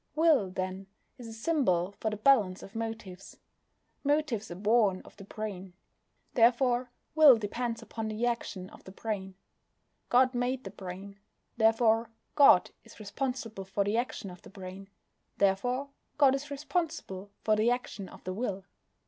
Will, then, is a symbol for the balance of motives. Motives are born of the brain. Therefore will depends upon the action of the brain. God made the brain; therefore God is responsible for the action of the brain; therefore God is responsible for the action of the will.